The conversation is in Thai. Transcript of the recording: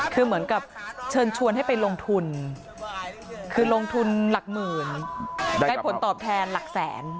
คือเหมือนกับเชิญชวนให้ไปลงทุนคือลงทุนหลักหมื่นได้ผลตอบแทนหลักแสน